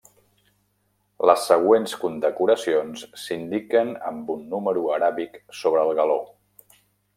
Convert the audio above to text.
Les següents condecoracions s'indiquen amb un número aràbic sobre el galó.